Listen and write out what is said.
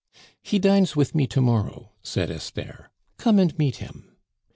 "He dines with me to morrow," said Esther; "come and meet him."